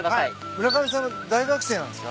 村上さんは大学生なんですか？